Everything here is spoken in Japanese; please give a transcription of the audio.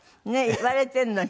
言われてるのに。